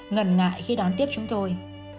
ngần ngại khi đón tiếp chúng tôi